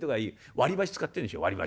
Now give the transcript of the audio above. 割り箸使ってんでしょ割り箸。